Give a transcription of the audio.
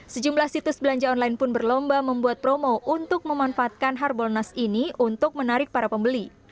sejumlah situs belanja online pun berlomba membuat promo untuk memanfaatkan harbolnas ini untuk menarik para pembeli